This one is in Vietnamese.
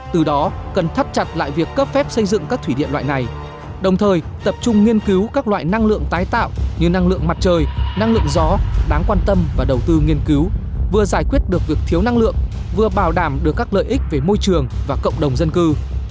từ đó cần thắt chặt lại việc cấp phép xây dựng các thủy điện loại này đồng thời tập trung nghiên cứu các loại năng lượng tái tạo như năng lượng mặt trời năng lượng gió đáng quan tâm và đầu tư nghiên cứu vừa giải quyết được việc thiếu năng lượng vừa bảo đảm được các lợi ích về môi trường và cộng đồng dân cư